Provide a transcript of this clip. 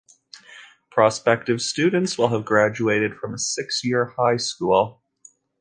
Prospective students will have graduated from a six-year high school.